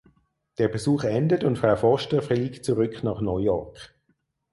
Der Besuch endet und Frau Foster fliegt zurück nach New York.